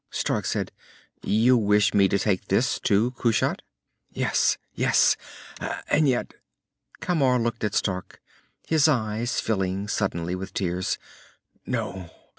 Stark said, "You wish me to take this to Kushat?" "Yes. Yes! And yet...." Camar looked at Stark, his eyes filling suddenly with tears. "No.